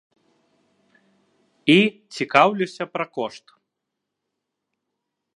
І цікаўлюся пра кошт.